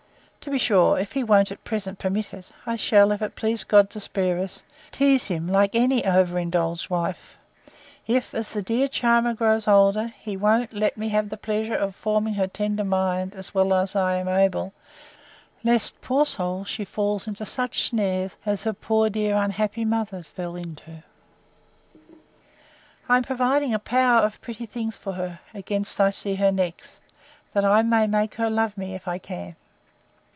To be sure, if he won't, at present, permit it, I shall, if it please God to spare us, tease him like any over indulged wife, if, as the dear charmer grows older, he won't let me have the pleasure of forming her tender mind, as well as I am able; lest, poor little soul, she fall into such snares, as her unhappy dear mother fell into. I am providing a power of pretty things for her, against I see her next, that I may make her love me, if I can.